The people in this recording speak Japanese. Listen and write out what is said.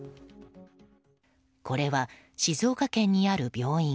これは静岡県にある病院。